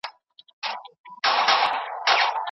هغه وویل چي ډېر چاڼ د لوړ ږغ سره دلته راوړل